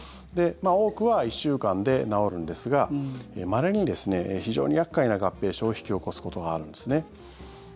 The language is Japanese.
多くは１週間で治るんですがまれに非常に厄介な合併症を引き起こすことがあるんですね。